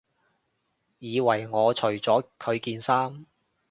以為我除咗佢件衫